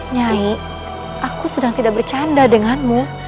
nyai aku sedang tidak bercanda denganmu